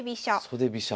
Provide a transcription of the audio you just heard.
袖飛車。